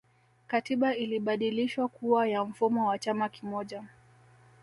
katiba ilibadilishwa kuwa ya mfumo wa chama kimoja